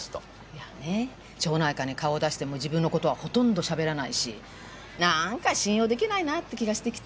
いやね町内会に顔を出しても自分の事はほとんどしゃべらないし何か信用できないなって気がしてきてね。